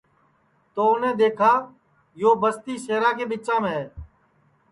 تو اُنیں دؔیکھا یو بستی سیرا کے ٻچام ہے